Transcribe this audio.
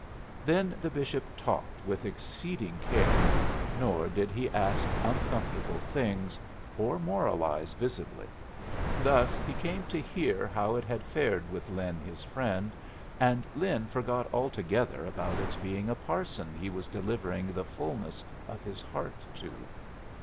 Then the bishop talked with exceeding care, nor did he ask uncomfortable things, or moralize visibly. Thus he came to hear how it had fared with Lin his friend, and Lin forgot altogether about its being a parson he was delivering the fulness of his heart to.